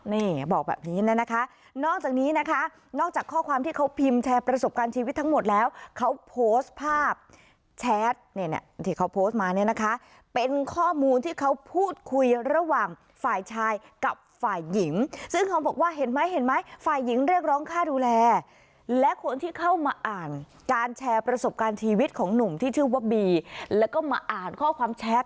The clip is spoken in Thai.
นี่บอกแบบนี้นะคะนอกจากนี้นะคะนอกจากข้อความที่เขาพิมพ์แชร์ประสบการณ์ชีวิตทั้งหมดแล้วเขาโพสต์ภาพแชทเนี่ยที่เขาโพสต์มาเนี่ยนะคะเป็นข้อมูลที่เขาพูดคุยระหว่างฝ่ายชายกับฝ่ายหญิงซึ่งเขาบอกว่าเห็นไหมเห็นไหมฝ่ายหญิงเรียกร้องค่าดูแลและคนที่เข้ามาอ่านการแชร์ประสบการณ์ชีวิตของหนุ่มที่ชื่อว่าบีแล้วก็มาอ่านข้อความแชท